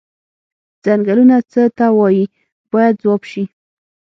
څنګلونه څه ته وایي باید ځواب شي.